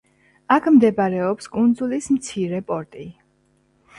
აქ მდებარეობს კუნძულის მცირე პორტი.